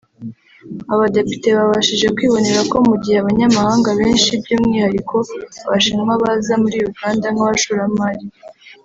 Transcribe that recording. Abadepite babashije kwibonera ko mu gihe abanyamahanga benshi by’umwihariko Abashinwa baza muri Uganda nk’abashoramari